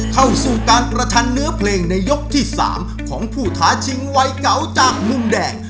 เข้าสู่การประชันเนื้อเพลงในยกที่๓ของผู้ท้าชิงวัยเก่าจากมุมแดง